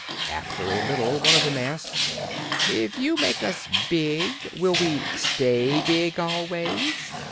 After a little, one of them asked: "If you make us big, would we stay big always?"